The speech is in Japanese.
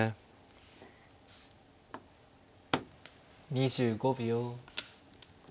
２５秒。